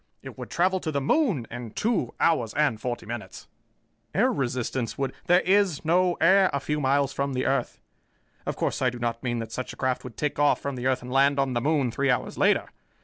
It would travel to the moon in two hours and forty minutes." "Air resistance would " "There is no air a few miles from the earth. Of course, I do not mean that such a craft would take off from the earth and land on the moon three hours later.